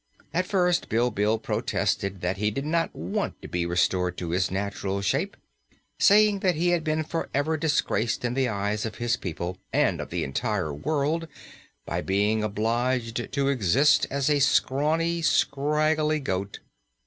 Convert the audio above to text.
At first Bilbil protested that he did not want to be restored to his natural shape, saying that he had been forever disgraced in the eyes of his people and of the entire world by being obliged to exist as a scrawny, scraggly goat.